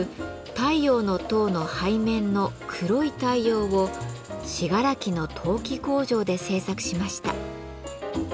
「太陽の塔」の背面の「黒い太陽」を信楽の陶器工場で制作しました。